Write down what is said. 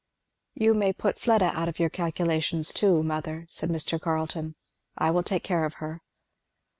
"You may put Fleda out of your calculations too, mother," said Mr. Carleton. "I will take care of her."